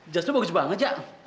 jazz lo bagus banget jack